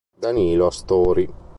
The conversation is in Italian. Danilo Astori.